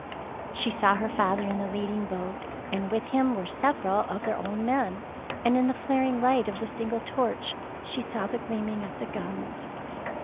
She saw her father in the leading boat, and with him were several of their own men, and in the flaring light of the single torch she saw the gleam ing of the guns.